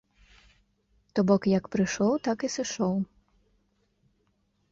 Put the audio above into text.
То бок, як прыйшоў, так і сышоў.